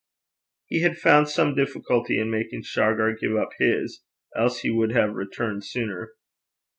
He had found some difficulty in making Shargar give up his, else he would have returned sooner.